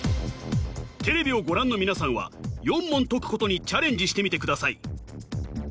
テレビをご覧の皆さんは４問解くことにチャレンジしてみてください